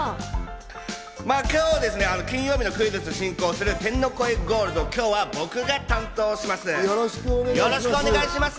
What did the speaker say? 今日はですね、金曜日のクイズッスを進行する天の声ゴールド、今日は僕が担当します。